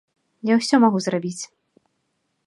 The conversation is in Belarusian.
Я ўсё магу зрабіць!